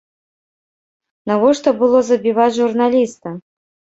Навошта было забіваць журналіста?